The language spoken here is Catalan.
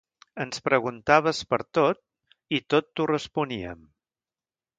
Ens preguntaves per tot i tot t’ho responíem.